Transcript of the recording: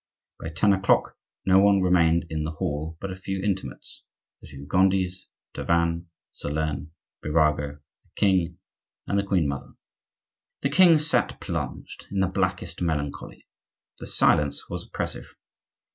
By ten o'clock no one remained in the hall but a few intimates,—the two Gondis, Tavannes, Solern, Birago, the king, and the queen mother. The king sat plunged in the blackest melancholy. The silence was oppressive.